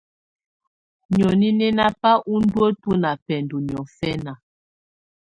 Nìóni nɛ́ ná bá úndúǝ́tɔ̀ ná bɛndɔ niɔ̀fɛna.